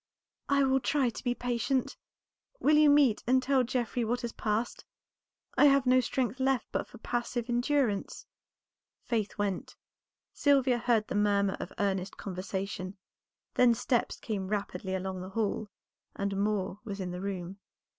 "I will try to be patient. Will you meet and tell Geoffrey what has passed? I have no strength left but for passive endurance." Faith went; Sylvia heard the murmur of earnest conversation; then steps came rapidly along the hall, and Moor was in the room.